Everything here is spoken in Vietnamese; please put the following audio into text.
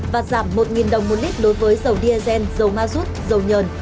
và giảm một đồng một lít đối với dầu diesel dầu ma rút dầu nhờn